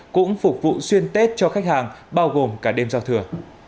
cũng phục vụ xuyên tết cho khách hàng bao gồm cả đêm giao thừa